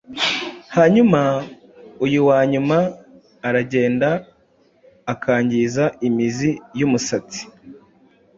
hanyuma uyu wa nyuma uragenda ukangiza imizi y’umusatsi